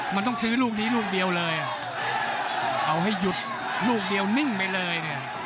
มันต้องซื้อลูกนี้ลูกเดียวเลยเอาให้หยุดลูกเดียวนิ่งไปเลยเนี่ย